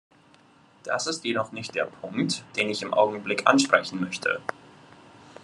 Das ist jedoch nicht der Punkt, den ich im Augenblick ansprechen möchte.